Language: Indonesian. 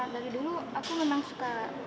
saya dulu kurus banget